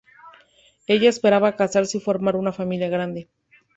Ella esperaba casarse y formar una familia grande.